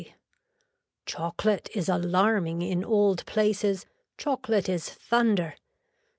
Chocolate is alarming in old places, chocolate is thunder.